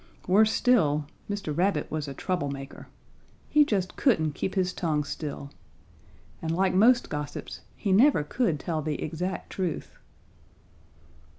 "Worse still, Mr. Rabbit was a trouble maker. He just couldn't keep his tongue still. And like most gossips, he never could tell the exact truth.